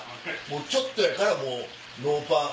ちょっとやからもうノーパン。